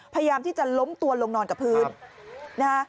พยายามที่จะล้มตัวลงนอนกับพื้นนะฮะ